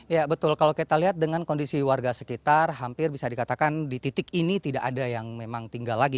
ya betul kalau kita lihat dengan kondisi warga sekitar hampir bisa dikatakan di titik ini tidak ada yang memang tinggal lagi